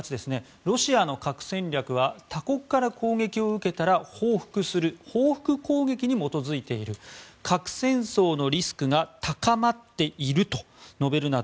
ロシアの核戦略は他国から攻撃を受けたら報復する報復攻撃に基づいている核戦争のリスクが高まっていると述べるなど